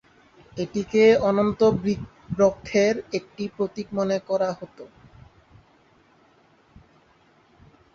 এটিকে অনন্ত ব্রহ্মের একটি প্রতীক মনে করা হত।